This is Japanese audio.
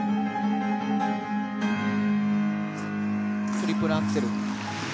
トリプルアクセル。